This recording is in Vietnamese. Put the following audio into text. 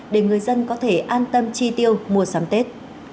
để người dân có thể an tâm chi tiêu mùa sáng tết